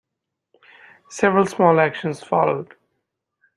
Several small actions followed.